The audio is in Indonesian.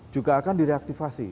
juga akan direaktivasi